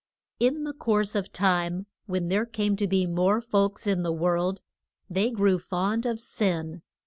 IN the course of time, when there came to be more folks in the world, they grew fond of sin.